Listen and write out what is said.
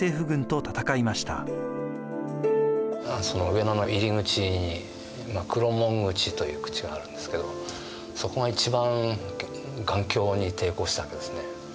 上野の入り口に黒門口という口があるんですけどそこが一番頑強に抵抗したわけですね。